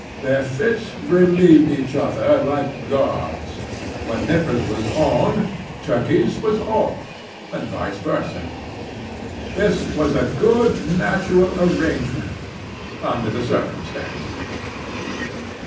Their fits relieved each other like guards. When Nippers' was on, Turkey's was off; and vice versa. This was a good natural arrangement under the circumstances.